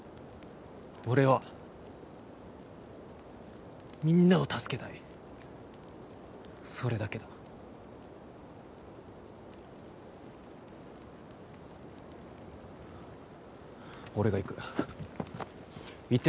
俺はみんなを助けたいそれだけだ俺が行く行って